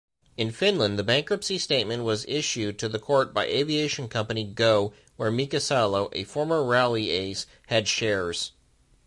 In Finland the bankruptcy statement was issued to the court by aviation company Go! where Mika Salo, a former rally ace, had shares.